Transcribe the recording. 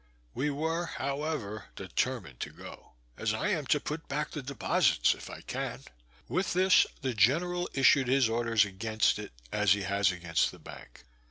We were, however, determined to go, as I am to put back the deposites, if I can. With this, the general issued his orders against it, as he has against the bank.